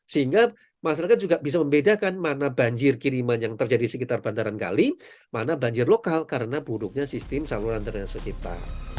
sehingga masyarakat juga bisa membedakan mana banjir kiriman yang terjadi di sekitar bandaran kali mana banjir lokal karena buruknya sistem saluran drainase kita